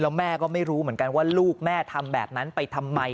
แล้วแม่ก็ไม่รู้เหมือนกันว่าลูกแม่ทำแบบนั้นไปทำไม